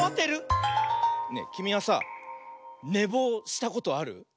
ねえきみはさねぼうしたことある？